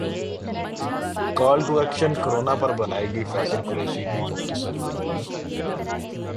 call to action corona پر بنائی گئی فیصل قریشی کی مختصر فلم